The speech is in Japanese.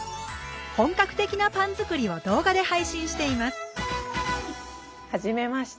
本格的なパンづくりを動画で配信していますはじめまして。